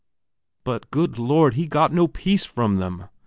"But, good Lord, he got no peace from them!"